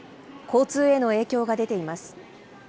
交通への影響が出ています。